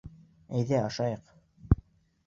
— Әйҙә, ашайыҡ.